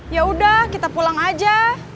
yaudah kita pulang aja